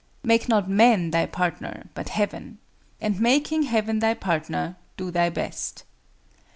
Make not Man thy partner but Heaven, and making Heaven thy partner do thy best.